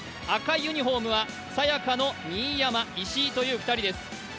赤いユニフォームはさや香の新山、石井という２人です。